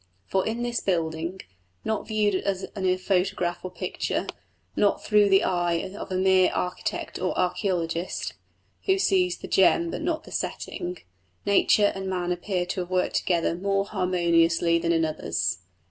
For in this building not viewed as in a photograph or picture, nor through the eye of the mere architect or archaeologist, who sees the gem but not the setting nature and man appear to have worked together more harmoniously than in others.